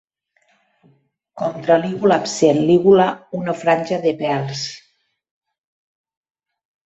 Contra-lígula absent. Lígula una franja de pèls.